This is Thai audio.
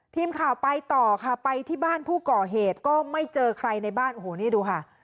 ทีมข่าวไปต่อค่ะไปที่บ้านผู้ก่อเหตุก็ไม่เจอใครในบ้านโอ้โหนี่ดูค่ะ